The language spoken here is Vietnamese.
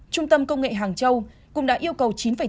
trung tâm công nghệ hàng châu cũng đã yêu cầu các nhà tử vong